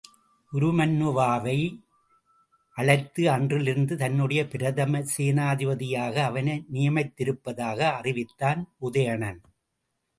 உருமண்ணுமாவை அழைத்து அன்றிலிருந்து தன்னுடைய பிரதம சேனாபதியாக அவனை நியமித்திருப்பதாக அறிவித்தான் உதயணன்.